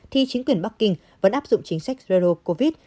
thì chính quyền bắc kinh vẫn áp dụng chính sách zero covid